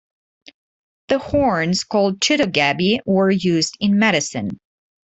The horns, called "chitto gab-by", were used in medicine.